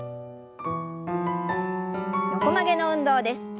横曲げの運動です。